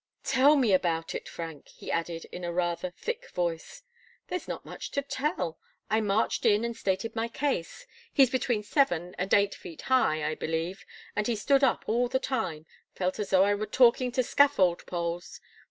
"Tell me about it, Frank," he added, in a rather thick voice. "There's not much to tell. I marched in and stated my case. He's between seven and eight feet high, I believe, and he stood up all the time felt as though I were talking to scaffold poles.